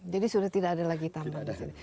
jadi sudah tidak ada lagi tambang di sini